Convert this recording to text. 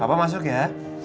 apa masuk ya